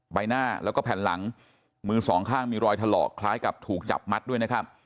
ใบหน้าแล้วก็แผ่นหลังมือสองข้างมีรอยถลอกคล้ายกับถูกจับมัดด้วยนะครับ